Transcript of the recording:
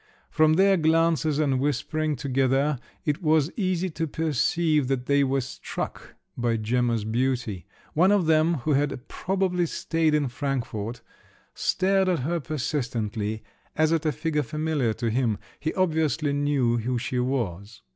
From their glances and whispering together it was easy to perceive that they were struck by Gemma's beauty; one of them, who had probably stayed in Frankfort, stared at her persistently, as at a figure familiar to him; he obviously knew who she was.